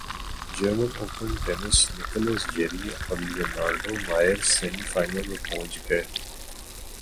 German Open tennis Nicolas Jarry اور Leonardo Mayer semi final میں پہنچ گئے